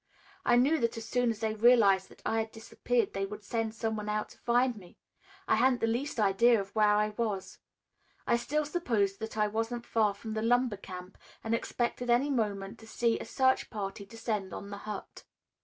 I knew that as soon as they realized that I had disappeared, they would send some one to find me. I hadn't the least idea of where I was. I still supposed that I wasn't far from the lumber camp and expected any moment to see a search party descend on the hut.